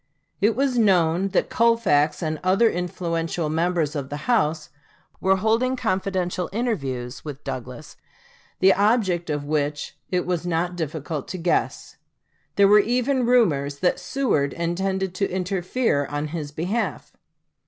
It was known that Colfax and other influential members of the House were holding confidential interviews with Douglas, the object of which it was not difficult to guess. There were even rumors that Seward intended to interfere in his behalf.